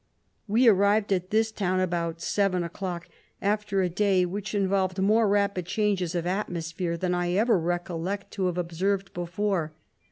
We arrived at this town about seven o'clock, after a day which involved 115 more rapid changes of atmosphere than I ever recollect to have observed before.